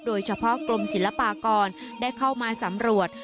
โดยเฉพาะกรมศิลปากรได้เข้ามาสำรวจ